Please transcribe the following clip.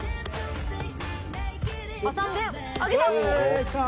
挟んであげた！